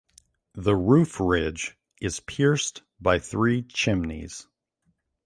The roof ridge is pierced by three chimneys.